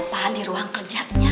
bapak di ruang kerjaannya